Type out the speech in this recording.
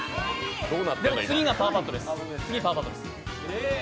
次がパーパットです。